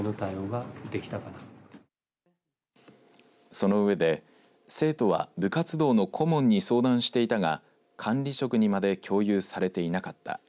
その上で、生徒は部活動の顧問に相談していたが管理職にまで共有されていなかった。